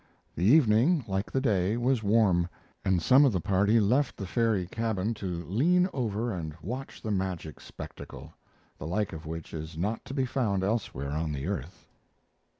The evening, like the day, was warm, and some of the party left the ferry cabin to lean over and watch the magic spectacle, the like of which is not to be found elsewhere on the earth.